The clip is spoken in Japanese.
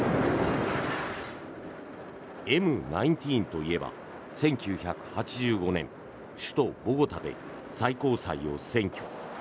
Ｍ−１９といえば１９８５年首都ボゴタで最高裁を占拠。